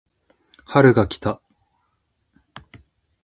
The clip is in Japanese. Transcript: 春が来た